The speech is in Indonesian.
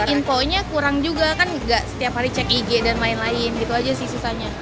infonya kurang juga kan gak setiap hari cek ig dan lain lain gitu aja sih susahnya